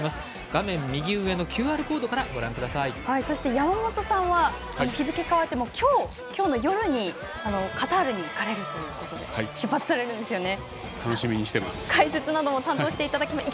画面右上のＱＲコードから山本さんは日付、変わって今日の夜にカタールに行かれるということで楽しみにしてます。